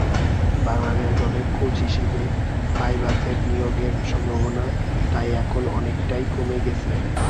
বাংলাদেশ দলের কোচ হিসেবে পাইবাসের নিয়োগের সম্ভাবনা তাই এখন অনেকটাই কমে গেছে।